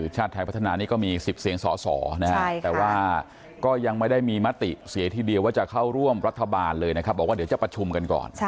ชาติไทยพัฒนานี้ก็มี๑๐เสียงสอสอนะฮะแต่ว่าก็ยังไม่ได้มีมติเสียทีเดียวว่าจะเข้าร่วมรัฐบาลเลยนะครับบอกว่าเดี๋ยวจะประชุมกันก่อน